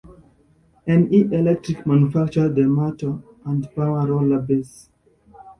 N. E. Electric manufactured the motor and power-roller base.